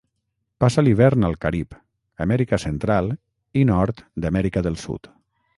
Passa l'hivern al Carib, Amèrica Central i nord d'Amèrica del Sud.